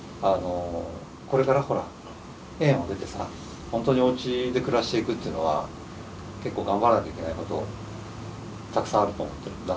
これからほら園を出てさ本当におうちで暮らしていくっていうのは結構頑張らなきゃいけないことたくさんあると思っているんだ。